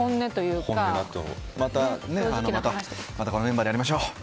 またこのメンバーでやりましょう。